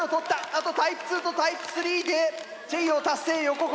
あとタイプ２とタイプ３でチェイヨー達成横国。